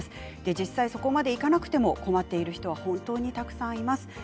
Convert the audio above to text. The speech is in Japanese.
実際そこまでいかなくても困っている人は本当にたくさんいます。